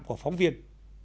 của phóng viên